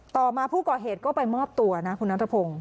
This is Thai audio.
ต่อมาผู้ก่อเหตุก็ไปมอบตัวนะคุณนัทพงศ์